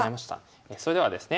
それではですね